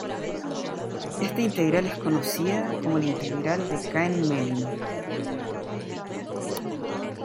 Esta integral es conocida como la integral de Cahen-Mellin.